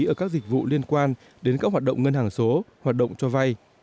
ở các dịch vụ liên quan đến các hoạt động ngân hàng số hoạt động cho vay